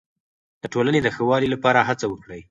د ټولنې د ښه والي لپاره هڅه وکړئ.